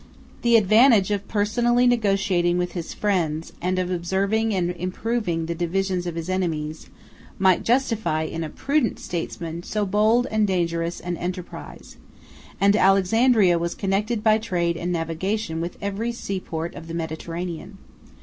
The advantage of personally negotiating with his friends, and of observing and improving the divisions of his enemies, might justify, in a prudent statesman, so bold and dangerous an enterprise: and Alexandria was connected by trade and navigation with every seaport of the Mediterranean.